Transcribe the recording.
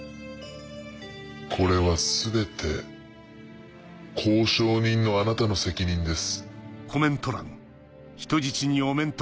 これは全て交渉人のあなたの責任です。